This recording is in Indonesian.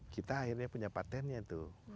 kita akhirnya punya patentnya tuh